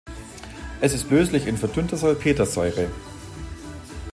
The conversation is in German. Es ist löslich in verdünnter Salpetersäure.